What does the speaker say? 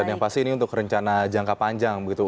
dan yang pasti ini untuk rencana jangka panjang begitu